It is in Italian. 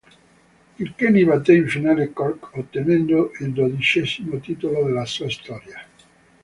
Kilkenny batté in finale Cork, ottenendo il dodicesimo titolo della sua storia.